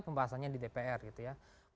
pembahasannya di dpr gitu ya